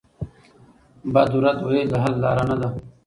بد رد ویل د حل لاره نه ده.